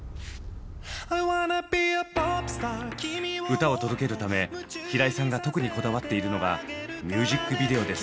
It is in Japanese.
歌を届けるため平井さんが特にこだわっているのがミュージックビデオです。